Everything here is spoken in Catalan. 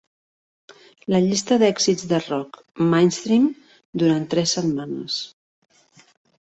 La llista d'èxits de rock mainstream durant tres setmanes.